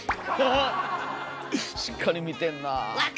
しっかり見てんなあ。